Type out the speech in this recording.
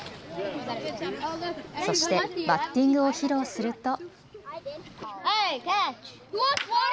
そしてバッティングを披露すると。